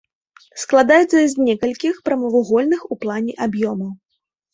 Складаецца з некалькіх прамавугольных ў плане аб'ёмаў.